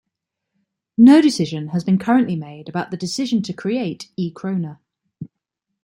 No decision has been currently made about the decision to create "e-krona".